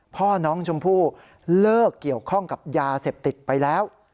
พ่อน้องชมพู่เลิกเกี่ยวข้องกับยาเสพติดไปแล้ว